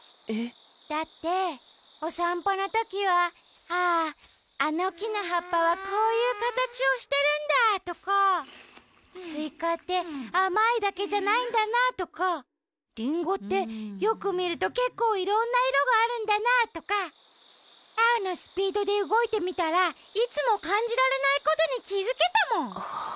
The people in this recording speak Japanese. えっ？だっておさんぽのときは「あああのきのはっぱはこういうかたちをしてるんだ」とか「スイカってあまいだけじゃないんだな」とか「リンゴってよくみるとけっこういろんないろがあるんだな」とかアオのスピードでうごいてみたらいつもかんじられないことにきづけたもん。